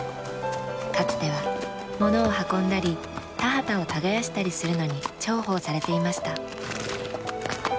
かつてはものを運んだり田畑を耕したりするのに重宝されていました。